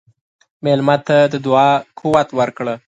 مېلمه ته د دعا قوت ورکړه.